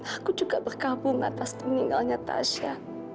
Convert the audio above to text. aku juga berkabung atas meninggalnya tasha